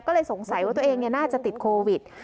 ก็เลยสงสัยว่าตัวเองน่าจะติดโควิด